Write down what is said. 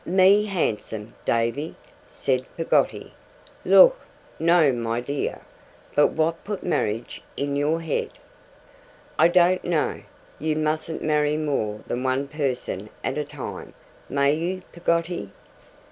'Me handsome, Davy!' said Peggotty. 'Lawk, no, my dear! But what put marriage in your head?' 'I don't know! You mustn't marry more than one person at a time, may you, Peggotty?